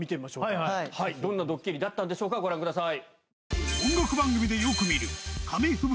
どんなドッキリだったんでしょうご覧ください。